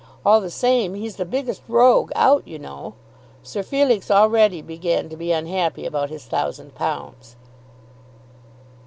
All the same, he's the biggest rogue out, you know." Sir Felix already began to be unhappy about his thousand pounds.